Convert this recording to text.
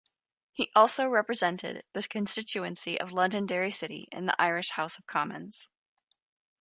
He also represented the constituency of Londonderry City in the Irish House of Commons.